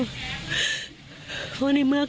แม่จะเรียกร้องอะไรไปได้มากกว่านี้อีกร้อง